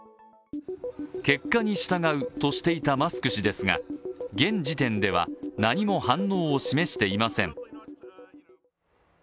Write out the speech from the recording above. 結果に従うとしていたマスク氏ですが現時点では何も反応を示していません。